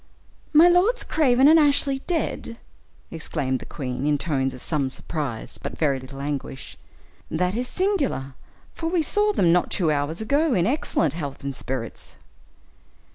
"My lords Craven and Ashley dead!" exclaimed the queen, in tones of some surprise, but very little anguish; "that is singular, for we saw them not two hours ago, in excellent health and spirits."